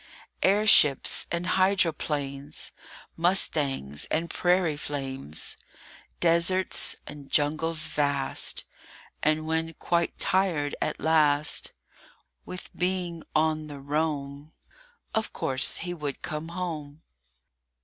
AIRSHIPS and hydroplanes, Mustangs and prairie flames! Deserts and jungles vast, And, when quite tired at last With being on the roam, Of course, he would come home.